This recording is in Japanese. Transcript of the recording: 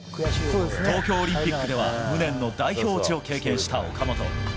東京オリンピックでは、無念の代表落ちを経験した岡本。